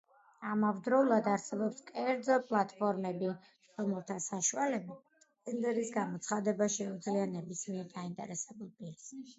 ამავდროულად, არსებობს კერძო პლატფორმები, რომელთა საშუალებით ტენდერის გამოცხადება შეუძლია ნებისმიერ დაინტერესებულ პირს.